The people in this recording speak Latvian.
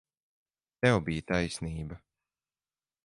Tev bija taisnība.